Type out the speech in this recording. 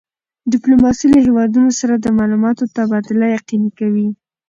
ډیپلوماسي له هېوادونو سره د معلوماتو تبادله یقیني کوي.